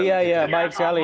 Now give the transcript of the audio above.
iya iya baik sekali